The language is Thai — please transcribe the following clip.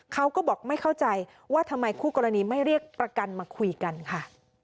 เขาก็บอกไม่เข้าใจว่าทำไมคู่กรณีไม่เรียกประกันมาคุยกันค่ะ